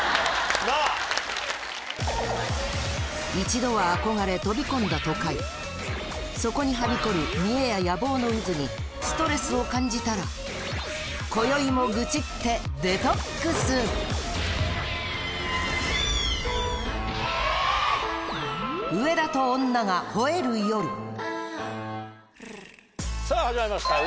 一度は憧れ飛び込んだ都会そこにはびこる見栄や野望の渦にストレスを感じたら今宵も愚痴ってデトックスさぁ始まりました